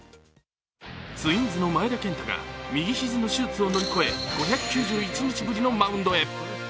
ツインズの前田健太が右肘の手術を乗り越え５９１日ぶりのマウンドへ。